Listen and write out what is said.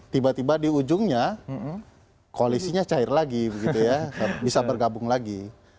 tiba tiba di ujungnya koalisinya cair lagi begitu ya bisa bergabung lagi